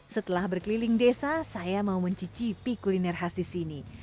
setelah berkeliling desa saya mau mencicipi kuliner khas di sini